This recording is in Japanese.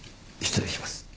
失礼します。